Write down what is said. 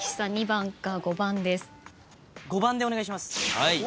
５番でお願いします。